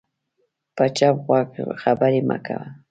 په چپ غوږ خبرې مه کوه